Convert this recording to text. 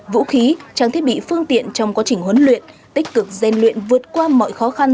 vũ khí trang thiết bị phương tiện trong quá trình huấn luyện tích cực gian luyện vượt qua mọi khó khăn